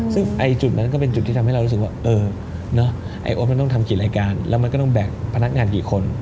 ซึ่งจุดนั้นก็เป็นจุดที่ทำให้เรารู้สึกว่าไอ้โอ๊ตมันต้องทำกี่รายการแล้วมันก็ต้องแบกพนักงานกี่คน